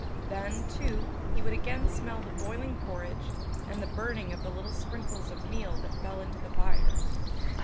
Then, too, he would again smell the boiling porridge, and the burning of the little sprinkles of meal that fell into the fire.